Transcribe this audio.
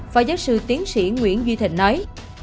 phó giáo sư tiến sĩ nguyễn duy thịnh nói